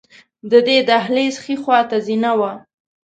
د دې دهلېز ښې خواته زینه وه.